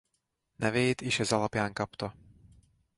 Nevét is ez alapján kapta.